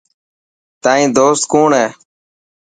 تائن دوست ڪوڻ هي.